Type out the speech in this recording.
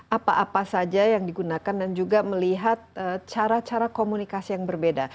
apa apa saja yang digunakan dan juga melihat cara cara komunikasi yang berbeda